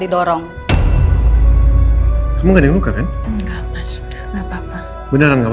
itu pada saat yang kayak pertama locals